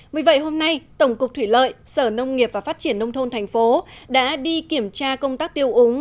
vì vậy hôm nay tổng cục thủy lợi sở nông nghiệp và phát triển nông thôn thành phố đã đi kiểm tra công tác tiêu úng